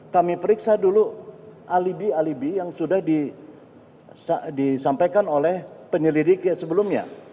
kami periksa dulu alibi alibi yang sudah disampaikan oleh penyelidik sebelumnya